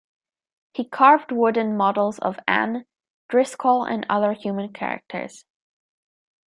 He carved wooden models of Ann, Driscoll, and other human characters.